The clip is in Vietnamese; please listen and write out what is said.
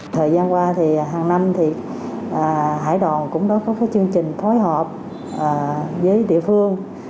thời gian qua hàng năm hải đoàn cũng có chương trình phối hợp với địa phương